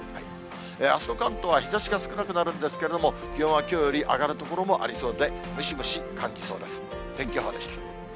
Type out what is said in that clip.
あすの関東は日ざしが少なくなるんですけれども、気温はきょうより上がる所もありそうで、ムシムシ感じそうです。